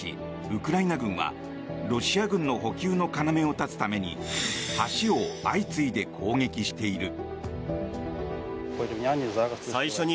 ウクライナ軍はロシア軍の補給の要を断つために橋を相次いで攻撃している。